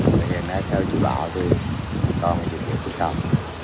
hiện nay theo dự báo thì có một điều kiện tự tạm